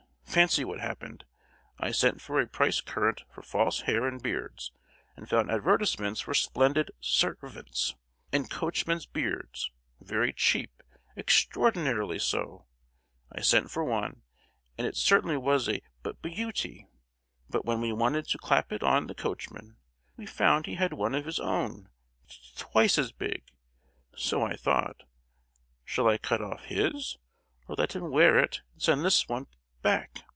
Fancy what happened: I sent for a price current for false hair and beards, and found advertisements for splendid ser—vants' and coachmen's beards, very cheap—extraordinarily so! I sent for one, and it certainly was a be—auty. But when we wanted to clap it on the coachman, we found he had one of his own t—twice as big; so I thought, shall I cut off his, or let him wear it, and send this one b—back?